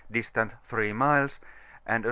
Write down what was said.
distant 3 miles, and a S.